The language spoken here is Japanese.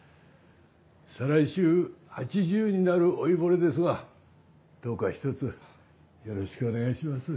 再来週８０になる老いぼれですがどうかひとつよろしくお願いします。